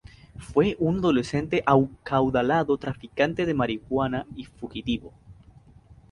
Fue un adolescente acaudalado, traficante de marihuana y fugitivo.